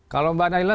kalau mbak danila